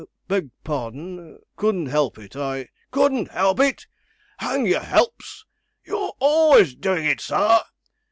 'Beg pardon couldn't help it; I ' 'Couldn't help it. Hang your helps you're always doing it, sir.